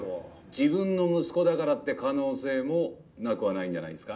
自分の息子だからって可能性もなくはないんじゃないですか？